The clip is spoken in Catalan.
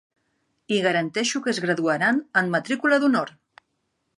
I garanteixo que es graduaran amb matrícula d'honor!